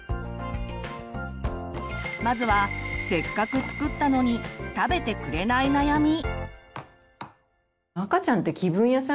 まずはせっかく作ったのに食べてくれない悩み。